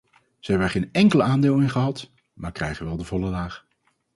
Ze hebben er geen enkel aandeel in gehad, maar krijgen wel de volle laag.